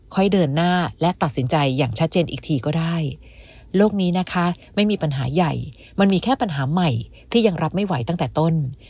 ค่อยเดินหน้าและตัดสินใจอย่างชัดเจนอีกทีก็ได้โลกนี้นะคะไม่มีปัญหาใหญ่มันมีแค่ปัญหาใหม่ที่ยังรับไม่ไหวตั้งแต่ต้น